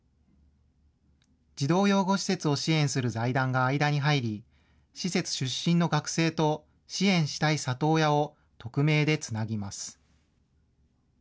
児童養護施設を支援する財団が間に入り、施設出身の学生と支援したい里親を匿名でつなぎます。